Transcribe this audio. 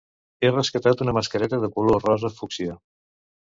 He rescatat una mascareta de color rosa fúcsia